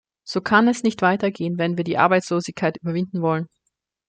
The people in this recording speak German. So kann es nicht weitergehen, wenn wir die Arbeitslosigkeit überwinden wollen.